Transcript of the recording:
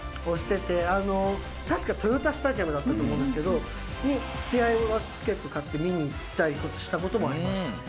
確か豊田スタジアムだったと思うんですけど試合のチケット買って見に行ったりとかした事もありました。